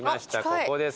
ここです